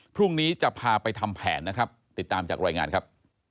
พรุ่งนี้จะพาไปทำแผนนะครับติดตามจากรายงานครับ